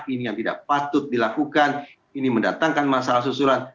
ini yang tidak patut dilakukan ini mendatangkan masalah susulan